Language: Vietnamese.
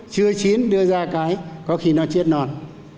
chưa chín đưa ra cái có khi nó chết non